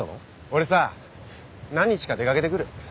俺さ何日か出掛けてくる。